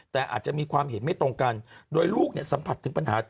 แต่อาจจะมีความเห็นไม่ตรงกันโดยลูกเนี่ยสัมผัสถึงปัญหา